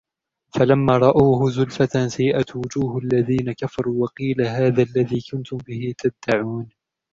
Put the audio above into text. فلما رأوه زلفة سيئت وجوه الذين كفروا وقيل هذا الذي كنتم به تدعون